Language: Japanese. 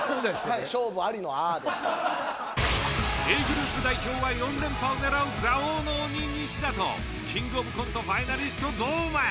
Ａグループ代表は４連覇を狙う「座王」の鬼・西田とキングオブコントファイナリスト・堂前。